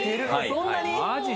・そんなに？